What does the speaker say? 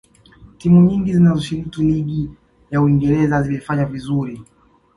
timu nyingi zinazoshiriki ligi ya uingereza zilifanya vizuri